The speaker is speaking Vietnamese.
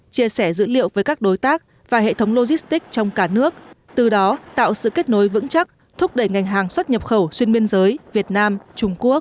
chia sẻ dữ liệu với các đối tác và hệ thống logistic trong cả nước từ đó tạo sự kết nối vững chắc thúc đẩy ngành hàng xuất nhập khẩu xuyên biên giới việt nam trung quốc